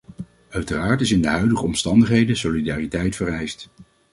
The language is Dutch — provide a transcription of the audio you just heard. Uiteraard is in de huidige omstandigheden solidariteit vereist.